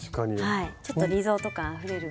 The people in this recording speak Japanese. はいちょっとリゾート感あふれる。